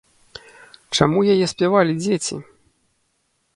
Чаму яе спявалі дзеці?